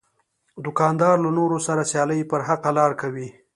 دوکاندار له نورو سره سیالي پر حقه لار کوي.